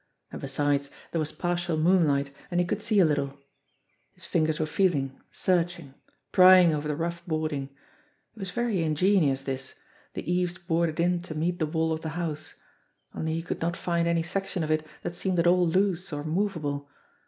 And, besides, there was partial moonlight, and he could see a little. His fingers were feeling, searching, prying over the rough boarding. It was very ingenious, this the eave? THE BLACK BOX 249 boarded in to meet the wall of the house only he could not find any section of it that seemed at all loose or movable.